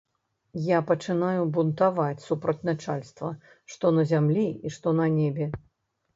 Я пачынаю бунтаваць супроць начальства, што на зямлі і што на небе.